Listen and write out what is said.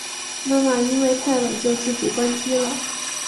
妈妈因为太冷就自己关机了